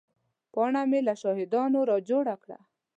پاڼه مې له شاهدانو را جوړه کړه.